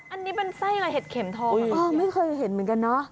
อันนี้เป็นไส้อะไรเห็ดเข็มทองไม่เคยเห็นเหมือนกันเนอะ